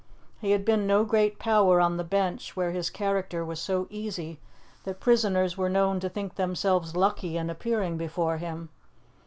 He had been no great power on the bench, where his character was so easy that prisoners were known to think themselves lucky in appearing before him.